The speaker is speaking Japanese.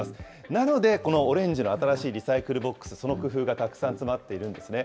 なので、このオレンジの新しいリサイクルボックス、その工夫がたくさん詰まっているんですね。